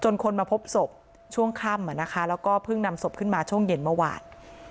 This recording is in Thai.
คนมาพบศพช่วงค่ำแล้วก็เพิ่งนำศพขึ้นมาช่วงเย็นเมื่อวาน